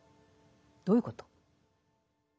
どういうこと？